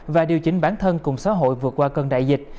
và điều chỉnh bản thân cùng xã hội vượt qua cơn đại dịch